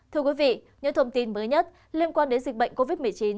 thưa quý vị những thông tin mới nhất liên quan đến dịch bệnh covid một mươi chín